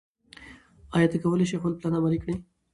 ایا ته کولی شې خپل پلان عملي کړې؟